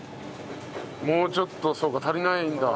もうちょっとそうか足りないんだ。